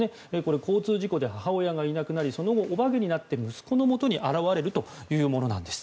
交通事故で母親がいなくなりその後お化けになって息子のもとに現れるというものです。